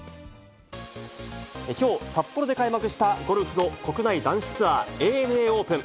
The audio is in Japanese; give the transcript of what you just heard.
きょう、札幌で開幕した、ゴルフの国内男子ツアー、ＡＮＡオープン。